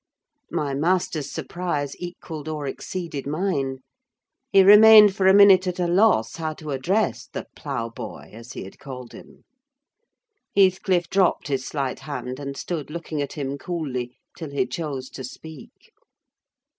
My master's surprise equalled or exceeded mine: he remained for a minute at a loss how to address the ploughboy, as he had called him. Heathcliff dropped his slight hand, and stood looking at him coolly till he chose to speak.